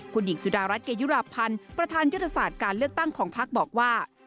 คุณหญิงสุดารัฐเกยุราพันธ์ประธานยุทธศาสตร์การเลือกตั้งของพักบอกว่า